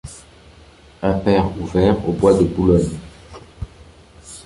imper ouvert au bois de Boulogne.